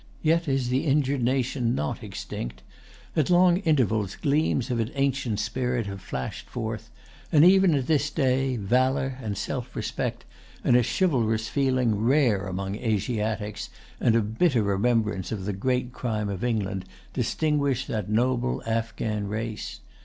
Yet is the injured nation not extinct. At long intervals gleams of its ancient spirit have flashed forth; and even at this day, valor, and self respect, and a chivalrous feeling rare among Asiatics, and a bitter remembrance of the great crime of England, distinguish that noble Afghan race.